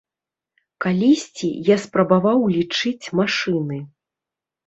Калісьці я спрабаваў лічыць машыны.